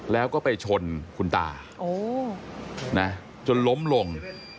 แล้วก็ไปชนคุณตาจนล้มลง